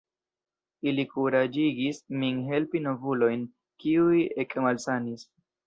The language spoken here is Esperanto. Ili kuraĝigis min helpi novulojn, kiuj ekmalsanis.